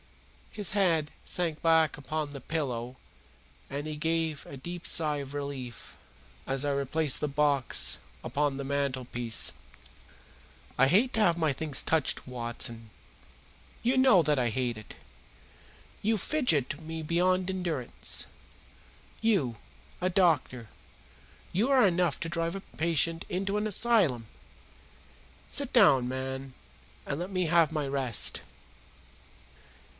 His head sank back upon the pillow and he gave a deep sigh of relief as I replaced the box upon the mantelpiece. "I hate to have my things touched, Watson. You know that I hate it. You fidget me beyond endurance. You, a doctor you are enough to drive a patient into an asylum. Sit down, man, and let me have my rest!"